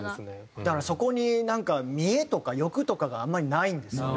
だからそこになんか見栄とか欲とかがあんまりないんですよね。